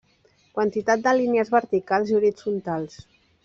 Quantitat de línies verticals i horitzontals.